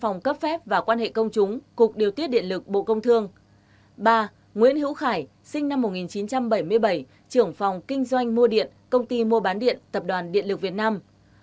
ba nguyễn hữu khải sinh năm một nghìn chín trăm bảy mươi bảy trưởng phòng kinh doanh mua điện công ty mua bán điện tập đoàn điện lực việt nam